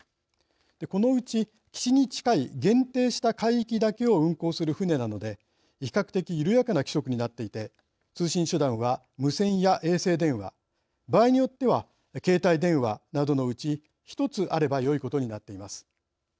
このうち岸に近い限定した海域だけを運航する船なので、比較的緩やかな規則になっていて通信手段は無線や衛星電話場合によっては携帯電話などのうち１つあればよいことになっています。